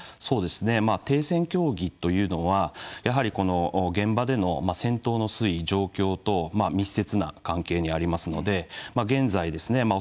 そうですね停戦協議というのはやはりこの現場での戦闘の推移状況と密接な関係にありますので現在ですね